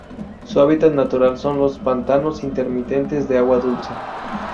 Se hábitat natural son los pantanos intermitentes de agua dulce.